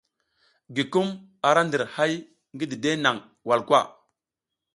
Gigum ara ndir hay ngi dide nang walkwa.